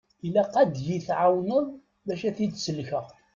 Ilaq ad yi-tɛawneḍ bac ad t-id-sellkeɣ.